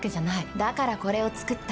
だからこれを作った。